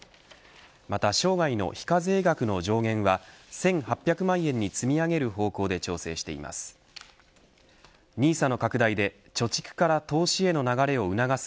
また生涯の非課税額の上限は１８００万円に積み上げる方向で調整しています。